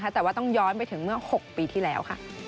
แต่ว่าต้องย้อนไปถึงเมื่อ๖ปีที่แล้ว